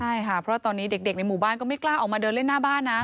ใช่ค่ะเพราะตอนนี้เด็กในหมู่บ้านก็ไม่กล้าออกมาเดินเล่นหน้าบ้านนะ